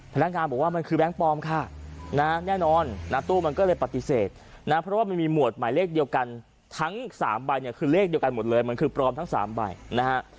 พนักงานบอกว่ามันคือแบงค์ปลอมค่ะนะแน่นอนนะตู้มันก็เลยปฏิเสธนะเพราะว่ามันมีหมวดหมายเลขเดียวกันทั้ง๓ใบเนี่ยคือเลขเดียวกันหมดเลยมันคือปลอมทั้ง๓ใบนะฮะ